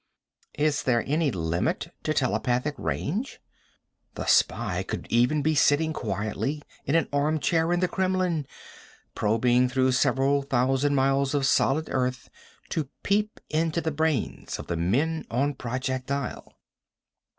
Is there any limit to telepathic range? The spy could even be sitting quietly in an armchair in the Kremlin, probing through several thousand miles of solid earth to peep into the brains of the men on Project Isle.